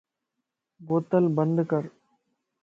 بوتل بند ڪر